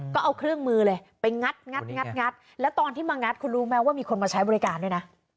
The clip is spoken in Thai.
ก็เอาเครื่องมือเลยไปงัดแล้วตอนที่มางัดคุณรู้ไหมว่ามีคนมาใช้บริการด้วยนะ